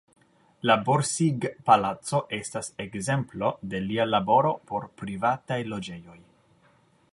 La Borsig-palaco estas ekzemplo de lia laboro por privataj loĝejoj.